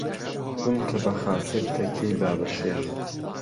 بمکه به خاتر تهکیهی بابه شێخ